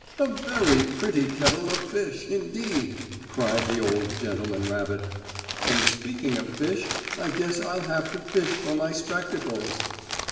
"A very pretty kettle of fish, indeed!" cried the old gentleman rabbit, "and speaking of fish, I guess I'll have to fish for my spectacles."